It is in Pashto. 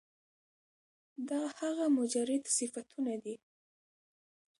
دا هغه مجرد صفتونه دي